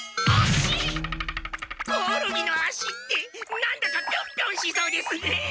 コオロギの足って何だかピョンピョンしそうですね。